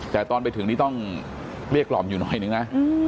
แต่ตอนไปถึงนี่ต้องเกลี้ยกล่อมอยู่หน่อยนึงนะ